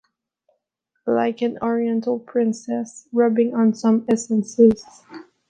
Like an oriental princess, rubbing on some essences.